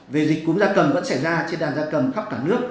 về dịch cúm da cầm vẫn xảy ra trên đàn da cầm khắp cả nước